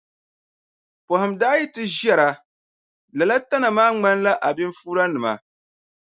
Pɔhim daa yi ti ʒɛra lala tana maa ŋmanila abinfuuranima.